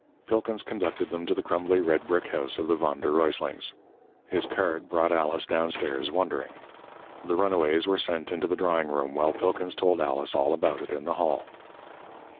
Pilkins conducted them to the crumbly red brick house of the Von der Ruyslings. His card brought Alice downstairs wondering. The runaways were sent into the drawing room, while Pilkins told Alice all about it in the hall.